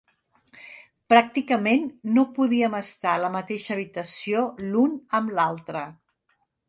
Pràcticament no podíem estar a la mateixa habitació l'un amb l'altre.